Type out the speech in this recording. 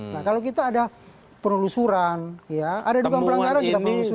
nah kalau kita ada penelusuran ya ada dugaan pelanggaran juga penelusuran